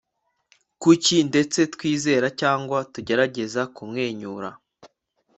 kuki ndetse twizera cyangwa tugerageza kumwenyura